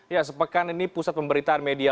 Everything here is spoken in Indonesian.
ya sepekan ini pusat pemberitaan media